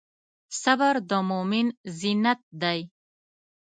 صبر د مؤمن زینت دی.